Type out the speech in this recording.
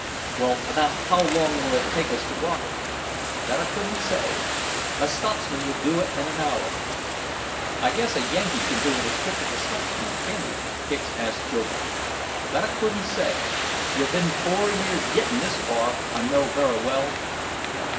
"Well, about how long will it take us to walk it?" "That I couldn't say. A Scotsman would do it in an hour." "I guess a Yankee can do it as quick as a Scotchman, can't be?" Hicks asked jovially. "That I couldn't say. You've been four years gettin' this far, I know verra well."